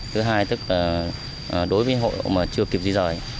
thứ hai đối với hội hội mà chưa kịp di dời